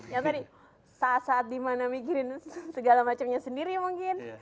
ya tadi saat saat dimana mikirin segala macamnya sendiri mungkin